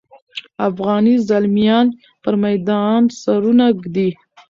افغاني زلمیان پر میدان سرونه ږدي.